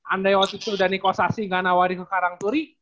andai waktu itu udah nikosasi gak nawarin ke karangturi